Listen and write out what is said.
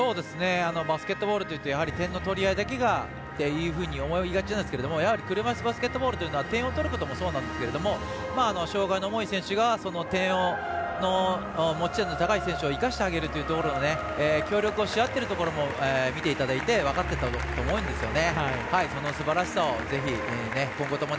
バスケットボールというと点の取り合いだけというふうに思いがちなんですけど車いすバスケットボールというのは点を取ることもそうなんですけど障がいの重い選手が持ち点の高い点を生かしてあげるというところ協力をし合ってるところも見ていただいて分かっていただいたと思うんですよね。